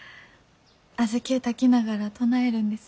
小豆を炊きながら唱えるんです。